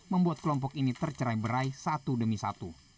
membuat kelompok ini tercerai berai satu demi satu